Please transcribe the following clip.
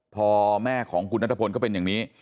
พอแม่ของคุณนัทพลก็เป็นอย่างนี้